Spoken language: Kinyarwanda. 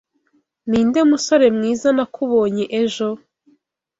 Ninde musore mwiza nakubonye ejo?